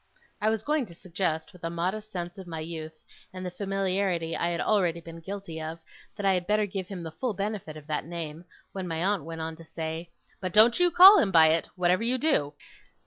I was going to suggest, with a modest sense of my youth and the familiarity I had been already guilty of, that I had better give him the full benefit of that name, when my aunt went on to say: 'But don't you call him by it, whatever you do.